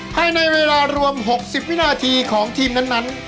ภายในเวลารวม๖๐วินาทีของทีมนั้น